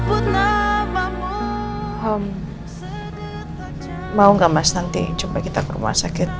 um mau gak mas nanti jumpa kita ke rumah sakit